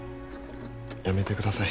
やめてください